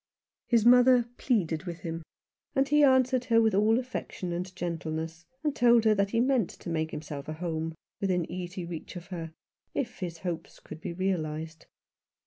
His mother pleaded with him, and he answered her with all affection and gentleness, and told her that he meant to make himself a home within easy reach of her, if his hopes could be realized.